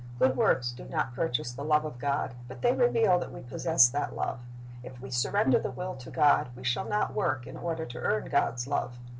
Good works do not purchase the love of God, but they reveal that we possess that love. If we surrender the will to God, we shall not work in order to earn God's love.